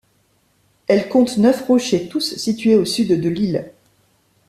Elle compte neuf rochers, tous situés au sud de l'île.